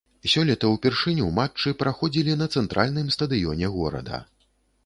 Сёлета ўпершыню матчы праходзілі на цэнтральным стадыёне горада.